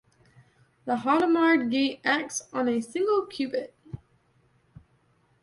The Hadamard gate acts on a single qubit.